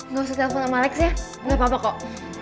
nggak usah telepon sama alex ya nggak apa apa kok